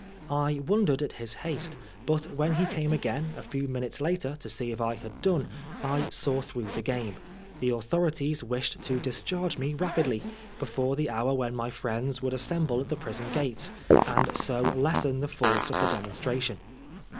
I wondered at his haste, but when he came again, a few minutes later, to see if I had done, I saw through the game. The authorities^ wished to "discharge" me rapidly, before the hour when my friends would assemble at the prison gates^ and so lessen the force of the demonstration.